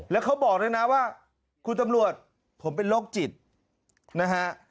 แล้วเขาบอกด้วยนะว่าคุณตำรวจผมเป็นโรคจิตนะฮะ